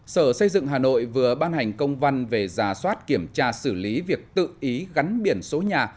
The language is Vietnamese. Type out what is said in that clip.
sở xây dựng hà nội vừa ban hành công văn về giả soát kiểm tra xử lý việc tự ý gắn biển số nhà